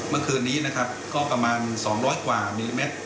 เมื่อคืนนี้นะครับก็ประมาณ๒๐๐กว่ามิลลิเมตร